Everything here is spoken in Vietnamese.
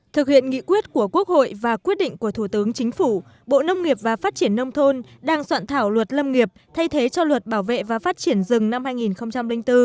thực hiện nghị quyết của quốc hội và quyết định của thủ tướng chính phủ bộ nông nghiệp và phát triển nông thôn đang soạn thảo luật lâm nghiệp thay thế cho luật bảo vệ và phát triển rừng năm hai nghìn bốn